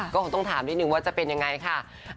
ก็คงต้องถามนิดนึงว่าจะเป็นยังไงค่ะ